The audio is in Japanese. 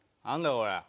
これ。